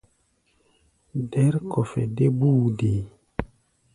Dɛ̌r-kɔfɛ dé búu deé.